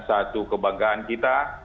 satu kebanggaan kita